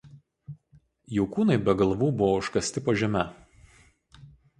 Jų kūnai be galvų buvo užkasti po žeme.